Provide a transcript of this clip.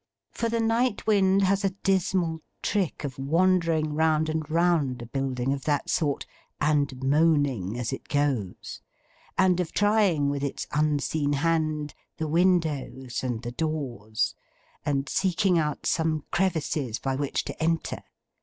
For the night wind has a dismal trick of wandering round and round a building of that sort, and moaning as it goes; and of trying, with its unseen hand, the windows and the doors; and seeking out some crevices by which to enter.